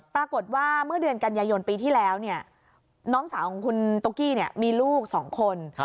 ปรากฏว่าเมื่อเดือนกันยายนปีที่แล้วน้องสาวของคุณตุ๊กกี้มีลูก๒คน